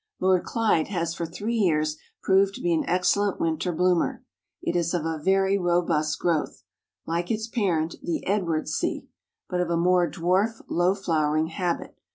Lord Clyde has for three years proved to be an excellent winter bloomer. It is of a very robust growth, like its parent the Edwardsii, but of a more dwarf, low flowering habit.